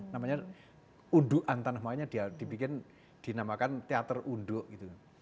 namanya unduk antanah maunya dibikin dinamakan teater unduk gitu